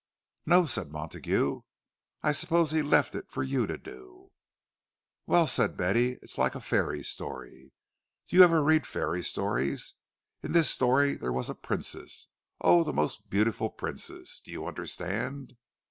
"No," said Montague—"I suppose he left it for you to do." "Well," said Betty, "it's like a fairy story. Do you ever read fairy stories? In this story there was a princess—oh, the most beautiful princess! Do you understand?"